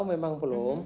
sejauh yang kami tahu